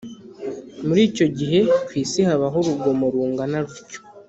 Muri icyo gihe kw’isi habaho urugomo rungana rutyo